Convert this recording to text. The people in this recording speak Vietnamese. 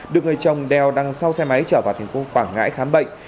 được người chồng đeo đằng sau xe máy trở vào thành phố quảng ngãi khám bệnh